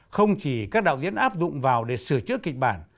không chỉ các đạo diễn áp dụng vào để sửa chữa kịch bản